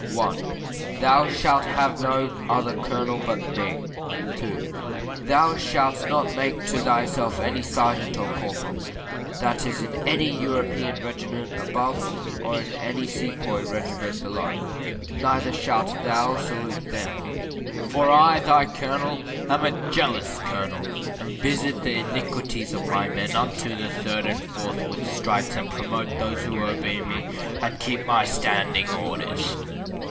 I. Thou shalt have no other Colonel but me. II. Thou shalt not make to thyself any sergeant or corporal, that is in any European regiment above, or in any Sepoy regiment below, neither shalt thou salute them; for I thy Colonel am a jealous Colonel, and visit the iniquities of my men unto the third and fourth with stripes, and promote those who obey me and keep my standing orders.